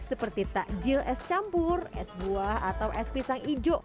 seperti takjil es campur es buah atau es pisang hijau